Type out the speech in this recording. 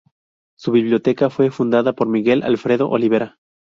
Su biblioteca fue fundada por Miguel Alfredo Olivera.